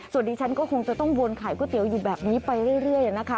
ส่วนดิฉันก็คงจะต้องวนขายก๋วยเตี๋ยวอยู่แบบนี้ไปเรื่อยนะคะ